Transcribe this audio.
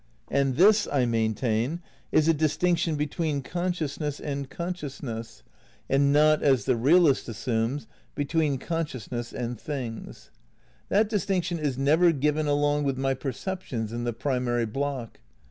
And this, I main tain, is a distinction between consciousness and con sciousness, and not as the realist assumes, between con sciousness and things. That distinction is never given along with my perceptions in the primary block.